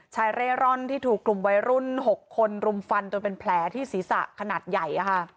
เร่ร่อนที่ถูกกลุ่มวัยรุ่น๖คนรุมฟันจนเป็นแผลที่ศีรษะขนาดใหญ่